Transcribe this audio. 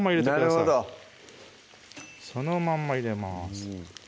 なるほどそのまんま入れます